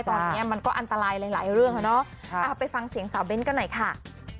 ตอนนี้มันก็อันตรายหลายเรื่องแล้วเนาะไปฟังเสียงสาวเบ้นกันหน่อยค่ะ